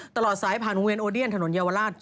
ตลอดสายผ่านวงเวียโอเดียนถนนเยาวราช